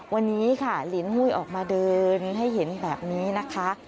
วันนี้ค่ะลินหุ้ยออกมาเดินให้เห็นแบบนี้นะคะ